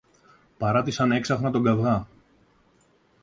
παράτησαν έξαφνα τον καβγά